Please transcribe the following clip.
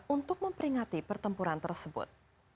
untuk memperingati pertempuran tersebut